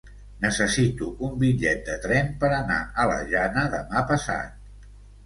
Necessito un bitllet de tren per anar a la Jana demà passat.